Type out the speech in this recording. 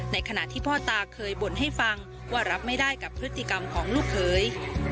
ในขณะที่พ่อตาเคยบ่นให้ฟังว่ารับไม่ได้กับพฤติกรรมของลูกเขย